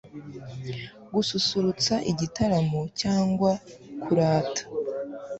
gususurutsa igitaramo cyangwa kurata